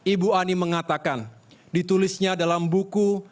ibu ani mengatakan ditulisnya dalam buku